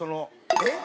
えっ？